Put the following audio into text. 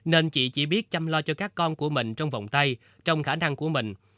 nên chị chỉ biết chăm lo cho các con của mình trong vòng tay trong khả năng của mình